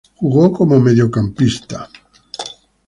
Jugó como mediocampista.